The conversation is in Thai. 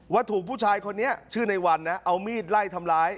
ว่าถูกผู้ชายคนนี้ชื่อในวันนะเอามีดไล่ทำร้าย